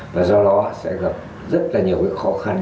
và do đó sẽ gặp rất là nhiều khó khăn